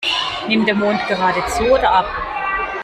Nimmt der Mond gerade zu oder ab?